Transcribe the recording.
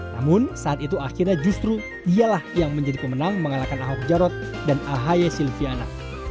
namun saat itu akhirnya justru ialah yang menjadi pemenang mengalahkan ahok jarot dan ahy silviana